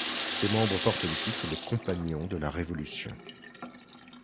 Ces membres portent le titre de Compagnon de la Révolution.